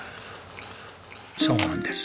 そうなんです。